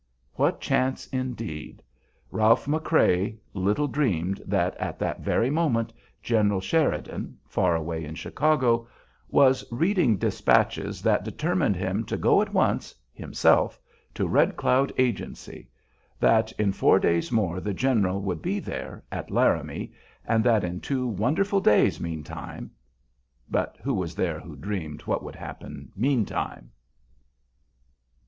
What chance, indeed? Ralph McCrea little dreamed that at that very moment General Sheridan far away in Chicago was reading despatches that determined him to go at once, himself, to Red Cloud Agency; that in four days more the general would be there, at Laramie, and that in two wonderful days, meantime but who was there who dreamed what would happen meantime?